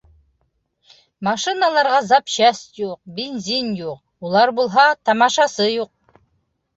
Машиналарға запчасть юҡ, бензин юҡ, улар булһа -тамашасы юҡ!